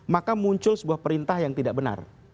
maka muncul sebuah perintah yang tidak benar